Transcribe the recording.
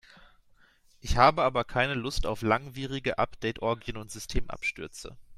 Ich habe aber keine Lust auf langwierige Update-Orgien und Systemabstürze.